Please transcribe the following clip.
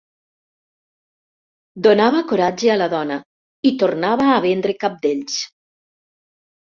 Donava coratge a la dona i tornava a vendre cabdells.